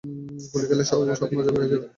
গুলি খেলেই সব মজা বের হয়ে যাবে।